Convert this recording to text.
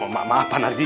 maaf pak nanji